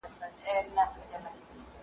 ¬ چي ښه وي، بد دي اور واخلي.